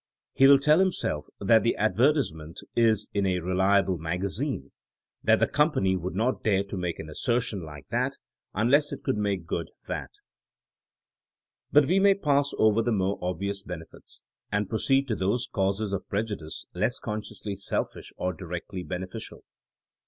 He wiU tell himself that the advertisement is in a reliable magazine, that the company would not dare to make an as sertion like that unless it could make good, that ... THINEINO AS A 80IEN0E 105 But we may pass over the more obvious bene fits, and proceed to those causes of prejudice less consciously selfish or directly beneficial.